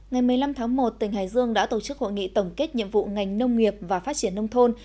ngày một mươi năm tháng một tỉnh hải dương đã tổ chức hội nghị tổng kết nhiệm vụ ngành nông nghiệp và phát triển nông thôn